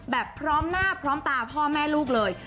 แบบพร้อมหน้าพร้อมตาพ่อแม่ลูกเลย